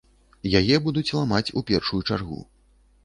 Яе будуць ламаць у першую чаргу.